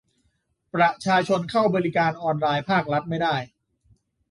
ประชาชนเข้าบริการออนไลน์ภาครัฐไม่ได้